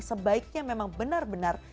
sebaiknya memang benar benar